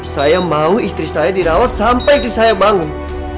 saya mau istri saya dirawat sampai saya bangun